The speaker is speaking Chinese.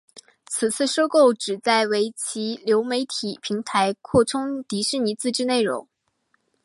此次收购旨在为其流媒体平台扩充迪士尼自制内容。